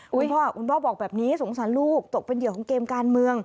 คุณพ่อคุณพ่อบอกแบบนี้สงสารลูกตกเป็นเหยื่อของเกมการเมือง